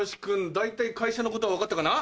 大体会社のことは分かったかな？